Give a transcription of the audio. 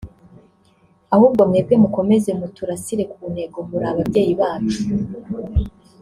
Ahubwo mwebwe mukomeze muturasire ku ntego muri ababyeyi bacu